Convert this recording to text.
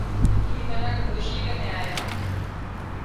اي منک ڏوشي ڪنين آيان